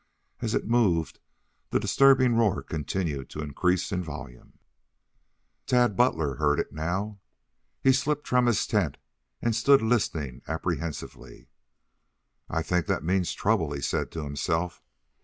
As it moved the disturbing roar continued to increase in volume. Tad Butler heard it now. He slipped from his tent and stood listening apprehensively. "I think that means trouble," he said to himself.